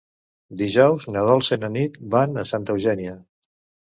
Dijous na Dolça i na Nit van a Santa Eugènia.